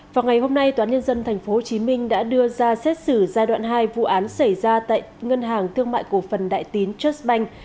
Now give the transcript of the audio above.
vào ngày hôm nay tnthcm đã đưa ra xét xử giai đoạn hai vụ án xảy ra tại ngân hàng thương mại cổ phần đại tín trust bank